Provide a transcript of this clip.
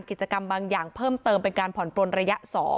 กิจกรรมบางอย่างเพิ่มเติมเป็นการผ่อนปลนระยะ๒